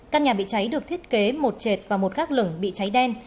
căn nhà bị cháy được thiết kế một trệt và một gác lửng bị cháy đen